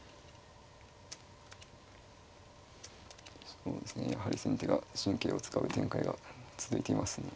そうですねやはり先手が神経を使う展開が続いています